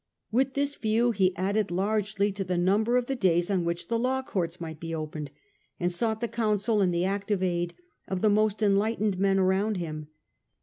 With this view he added largely to the number of the days on which the law courts might be opened, and sought the counsel and the active aid of the most enlightened men around him.